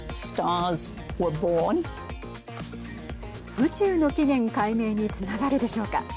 宇宙の起源解明につながるでしょうか。